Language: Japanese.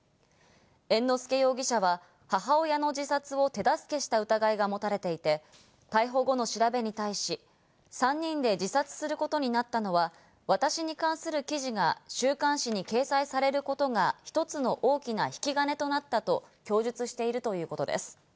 猿之助容疑者は母親の自殺を手助けした疑いが持たれていて、逮捕後の調べに対し、３人で自殺することになったのは、私に関する記事が週刊誌に掲載されることが一つの大きな引き金となったと供述しているということです。